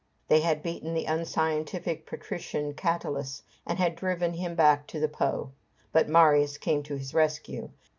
They had beaten the unscientific patrician Catulus, and had driven him back on the Po. But Marius came to his rescue.